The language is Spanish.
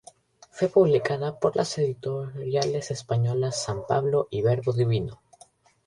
Fue publicada por las editoriales españolas San Pablo y Verbo Divino.